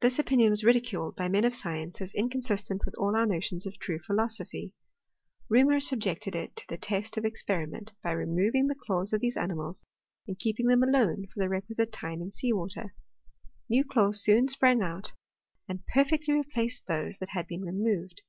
This opinion was ridiculed by men of science as inconsistent with all our notions of true philosophy. Reaumur subjected it to the test of experiment, by removing the claws of these ani mals, and keeping them alone for the requisite time in sea water : new claws soon sprang out, and per fecfdy replaced those that had been removed.